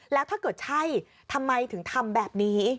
แล้วถ้าเกิดใช่ทำไมถึงทำแบบนี้